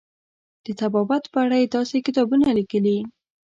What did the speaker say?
د طبابت په اړه یې داسې کتابونه لیکلي.